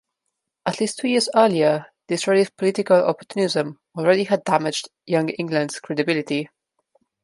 At least two years earlier, Disraeli's political opportunism already had damaged Young England's credibility.